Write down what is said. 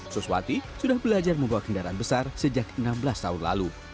suswati sudah belajar membawa kendaraan besar sejak enam belas tahun lalu